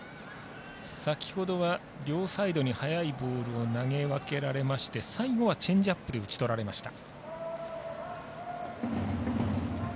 先ほどは両サイドに速いボールを投げ分けられまして最後はチェンジアップで打ち取られました。